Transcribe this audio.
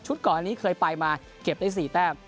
ก่อนอันนี้เคยไปมาเก็บได้๔แต้ม